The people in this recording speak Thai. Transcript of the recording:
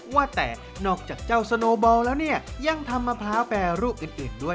ว่าแต่นอกจากเจ้าสโนบอลแล้วเนี่ยยังทำมะพร้าวแปรรูปอื่นด้วย